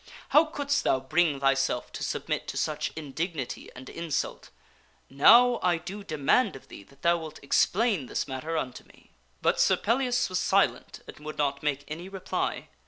How couldst thou bring thyself to submit to such indignity and insult? Now, I do demand of thee that thou wilt explain this matter unto me." But Sir Pellias was silent and would not make any reply.